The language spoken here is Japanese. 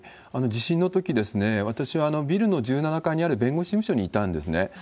地震のとき、私はビルの１７階にある弁護士事務所にいたんですね。